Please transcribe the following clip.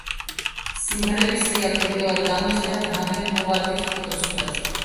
სიმღერების სია პირველად გამოჩნდა დრამერ ჰოვარდის ფოტოსურათზე.